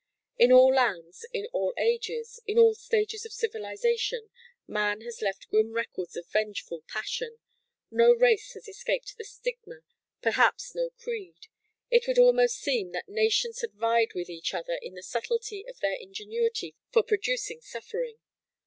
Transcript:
In all lands, in all ages, in all stages of civilization, man has left grim records of vengeful passion. No race has escaped the stigma, perhaps no creed. It would almost seem that nations had vied with each other in the subtlety of their ingenuity for producing suffering.